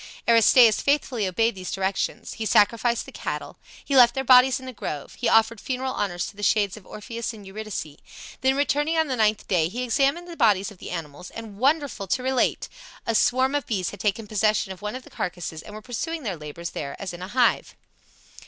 Aristaeus faithfully obeyed these directions. He sacrificed the cattle, he left their bodies in the grove, he offered funeral honors to the shades of Orpheus and Eurydice; then returning on the ninth day he examined the bodies of the animals, and, wonderful to relate! a swarm of bees had taken possession of one of the carcasses and were pursuing their labors there as in a hive.